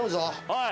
はい。